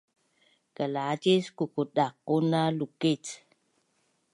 Kalacis kukutdaquna lukic